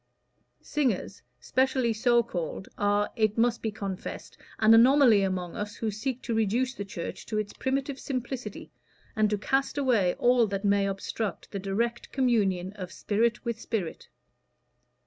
Singers, specially so called, are, it must be confessed, an anomaly among us who seek to reduce the Church to its primitive simplicity, and to cast away all that may obstruct the direct communion of spirit with spirit."